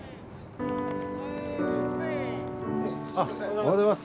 おはようございます。